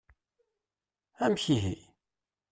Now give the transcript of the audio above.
Amek ihi!